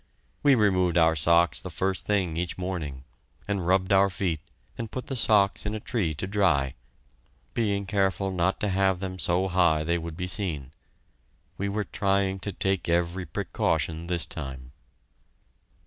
We removed our socks the first thing each morning, and rubbed our feet and put the socks in a tree to dry, being careful not to have them so high they would be seen. We were trying to take every precaution this time!